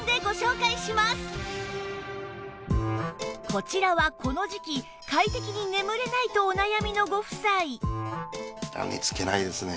こちらはこの時季快適に眠れないとお悩みのご夫妻